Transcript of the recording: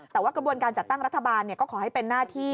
แต่ว่ากระบวนการจัดตั้งรัฐบาลก็ขอให้เป็นหน้าที่